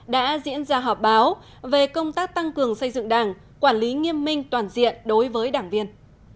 đã diễn ra họp báo về công tác tăng cường xây dựng đảng quản lý nghiêm minh toàn diện đối với đảng viên